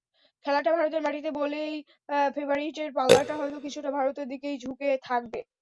খেলাটা ভারতের মাটিতে বলেই ফেবারিটের পাল্লাটা হয়তো কিছুটা ভারতের দিকেই ঝুঁকে থাকবে।